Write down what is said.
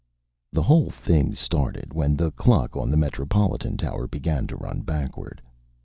[*] I. The whole thing started when the clock on the Metropolitan Tower began to run backward.